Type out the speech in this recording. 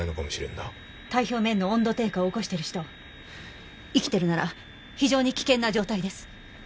体表面の温度低下を起こしてる人生きてるなら非常に危険な状態です。